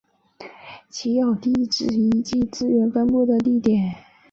即有地质遗迹资源分布的地点。